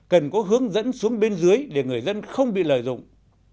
cần có hướng dẫn xuống bên dưới để người dân không bị lợi dụng